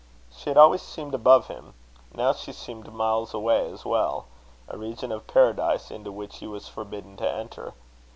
She had always seemed above him now she seemed miles away as well; a region of Paradise, into which he was forbidden to enter.